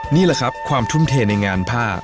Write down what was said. นี่แหละครับความทุ่มเทในงานผ้า